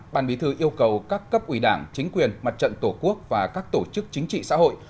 bàn bí thư yêu cầu các cấp ủy đảng chính quyền mặt trận tổ quốc và các tổ chức chính trị xã hội